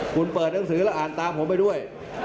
คุณเปิดหนังสือแล้วอ่านตามผมไปด้วย